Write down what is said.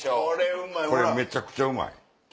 これめちゃくちゃうまい。